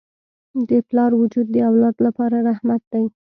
د پلار وجود د اولاد لپاره رحمت دی.